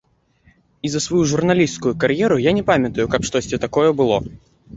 І за сваю журналісцкую кар'еру я не памятаю, каб штосьці такое было.